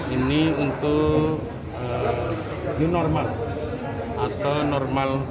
ini untuk new normal